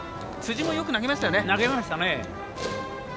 辻もよく投げましたよね。